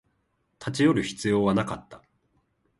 立ち寄る必要はなかった